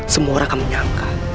semua orang akan menyangka